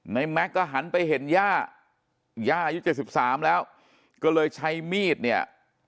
แม็กซ์ก็หันไปเห็นย่าย่าอายุ๗๓แล้วก็เลยใช้มีดเนี่ย